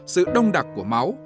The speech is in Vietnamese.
sự đông đặc của máu